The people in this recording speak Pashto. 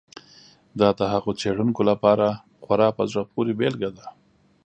دا د هغو څېړونکو لپاره خورا په زړه پورې بېلګه ده.